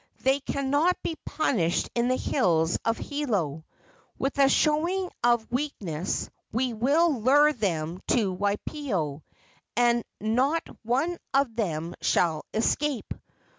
They cannot be punished in the hills of Hilo. With a showing of weakness we will lure them to Waipio, and not one of them shall escape.